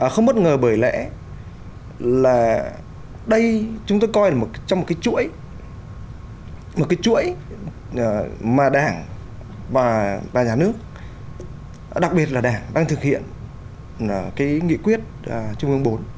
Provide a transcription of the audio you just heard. không bất ngờ bởi lẽ là đây chúng tôi coi là trong một cái chuỗi mà đảng và bà nhà nước đặc biệt là đảng đang thực hiện nghị quyết trung ương bốn